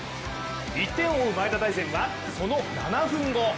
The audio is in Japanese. １点を追う前田大然はその７分後。